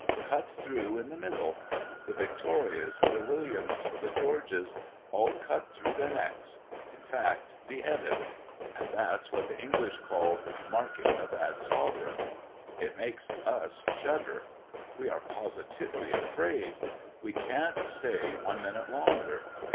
Cut through in the middle. The Victorias, and Williams, and Georges, all cut through their necks; in fact, beheaded! And that's what the English call "marking a bad sovereign." It makes us shudder. We are positively afraid. We cant stay one minute longer.